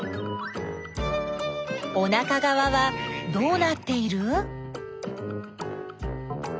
おなかがわはどうなっている？